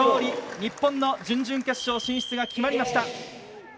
日本の準々決勝進出が決まりました。